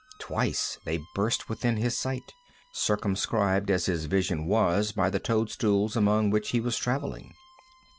Twice they burst within his sight, circumscribed as his vision was by the toadstools among which he was traveling.